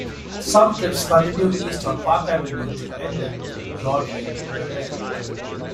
Some trips continue east on Park Avenue to end at Broadway in Revere.